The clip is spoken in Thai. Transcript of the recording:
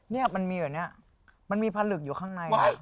เนี่ยมันมีแบบนี้มันมีผลึกอยู่ข้างใน